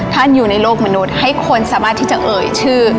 อยู่ในโลกมนุษย์ให้คนสามารถที่จะเอ่ยชื่อ